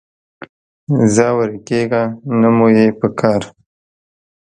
ځه ورکېږه، نه مو یې پکار